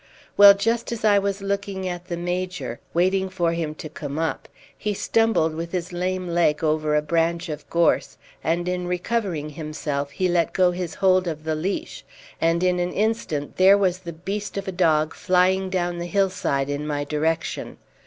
Well, just as I was looking at the Major, waiting for him to come up, he stumbled with his lame leg over a branch of gorse, and in recovering himself he let go his hold of the leash, and in an instant there was the beast of a dog flying down the hillside in my direction.